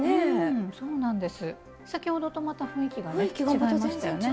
先ほどと雰囲気がね違いましたよね。